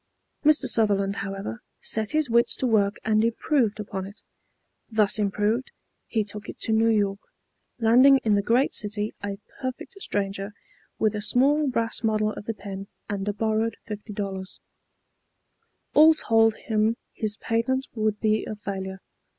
Mr. Sutherland, however, set his wits to work and improved upon it. Thus improved, he took it to New York, landing in the great city a perfect stranger, with a small brass model of the pen and a borrowed $50. All told him his patent would be a failure.